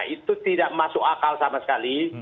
itu tidak masuk akal sama sekali